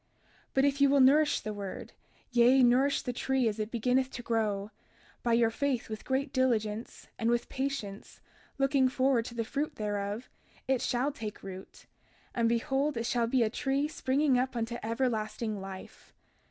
32:41 But if ye will nourish the word, yea, nourish the tree as it beginneth to grow, by your faith with great diligence, and with patience, looking forward to the fruit thereof, it shall take root; and behold it shall be a tree springing up unto everlasting life.